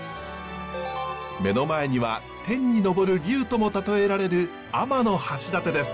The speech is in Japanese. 目の前には天に昇る龍とも例えられる天橋立です。